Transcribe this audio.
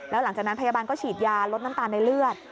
แล้วหลังจากนั้นพยาบาลก็ฉีดยาลดน้ำตาลในเลือด